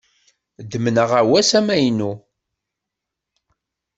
Ddmen aɣawas amaynu.